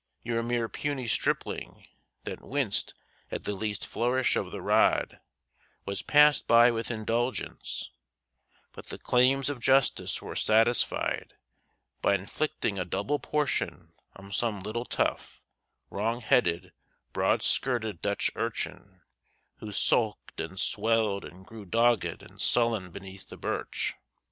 Your mere puny stripling, that winced at the least flourish of the rod, was passed by with indulgence; but the claims of justice were satisfied by inflicting a double portion on some little tough, wrong headed, broad skirted Dutch urchin, who sulked and swelled and grew dogged and sullen beneath the birch.